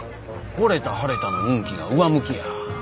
ほれたはれたの運気が上向きや。